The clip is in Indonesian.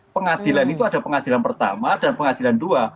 pengadilan itu ada pengadilan pertama dan pengadilan dua